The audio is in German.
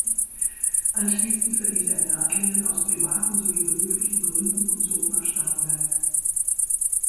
Anschließend verließ er Nördlingen aus privaten sowie beruflichen Gründen und zog nach Starnberg.